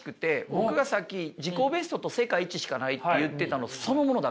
僕がさっき自己ベストと世界一しかないって言ってたのそのものだから。